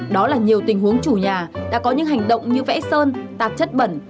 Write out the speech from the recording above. đó là nhiều tình huống chủ nhà đã có những hành động như vẽ sơn tạp chất bẩn